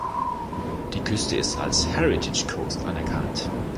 Die Küste ist als Heritage Coast anerkannt.